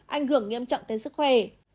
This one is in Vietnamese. anh hưởng nghiêm trọng tới sức khỏe